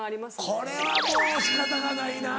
これはもう仕方がないな。